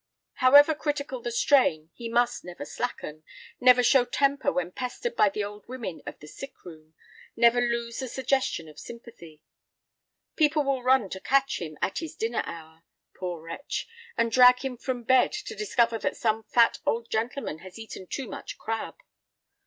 However critical the strain, he must never slacken, never show temper when pestered by the old women of the sick room, never lose the suggestion of sympathy. People will run to catch him "at his dinner hour," poor wretch, and drag him from bed to discover that some fat old gentleman has eaten too much crab.